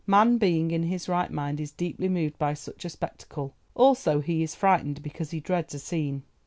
Man being in his right mind is deeply moved by such a spectacle, also he is frightened because he dreads a scene.